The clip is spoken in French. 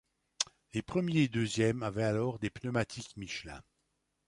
Les premiers et deuxièmes avaient alors des pneumatiques Michelin.